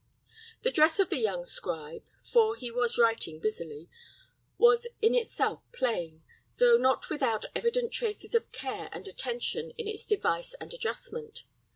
The dress of the young scribe for he was writing busily was in itself plain, though not without evident traces of care and attention in its device and adjustment.